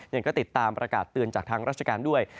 ยังก็ติดตามประกาศเตือนจากทางราชการด้วย